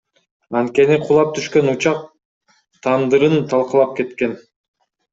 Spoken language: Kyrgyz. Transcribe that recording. Анткени кулап түшкөн учак тандырын талкалап кеткен.